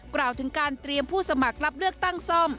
กล่าวถึงการเตรียมผู้สมัครรับเลือกตั้งซ่อม